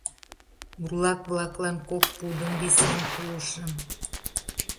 Бурлак-влаклан кок пудым висен пуышым.